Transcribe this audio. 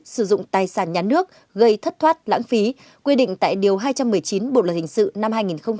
sử dụng tài sản nhà nước gây thất thoát lãng phí quy định tại điều hai trăm một mươi chín bộ luật hình sự năm hai nghìn một mươi năm